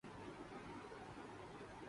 لیتے ہی نام اس کا سوتے سے چونک اٹھے